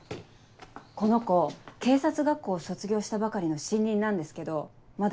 この子警察学校を卒業したばかりの新任なんですけどまだ